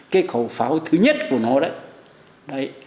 cái khẩu pháo thứ nhất của nó đấy